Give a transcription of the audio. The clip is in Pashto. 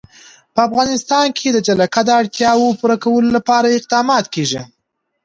په افغانستان کې د جلګه د اړتیاوو پوره کولو لپاره اقدامات کېږي.